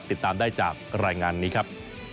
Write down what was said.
ติดตามได้จากรายงานนี้ครับ